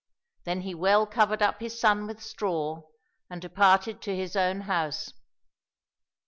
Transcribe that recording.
Then he well covered up his son with straw, and departed to his own house.